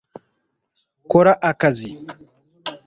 kora akazi